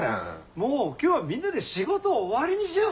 もう今日はみんなで仕事終わりにしよう。